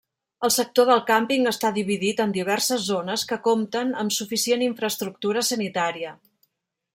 El sector del càmping està dividit en diverses zones que compten amb suficient infraestructura sanitària.